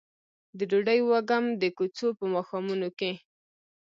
د ډوډۍ وږم د کوڅو په ماښامونو کې